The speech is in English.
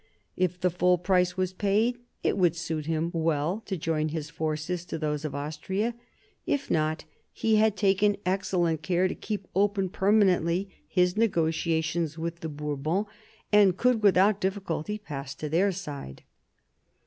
If the full price was paid, it would suit him well to join his forces to those of Austria. If not, he had taken excellent care to keep open permanently his negotiations with the Bourbons, and could without difficulty pass to their side.